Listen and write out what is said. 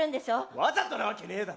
わざとなわけねえだろ。